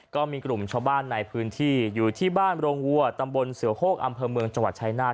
ก็มีกลุ่มชาวบ้านในพื้นที่อยู่ที่บ้านโรงวัวตำบลเสือโฮกอำเภอเมืองจังหวัดชายนาฏ